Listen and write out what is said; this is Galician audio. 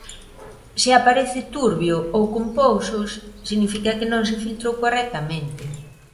Se aparece turbio ou con pousos significa que non se filtrou correctamente.